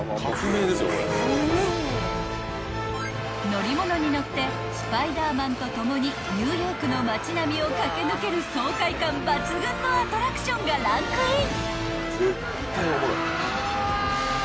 ［乗り物に乗ってスパイダーマンと共にニューヨークの街並みを駆け抜ける爽快感抜群のアトラクションがランクイン］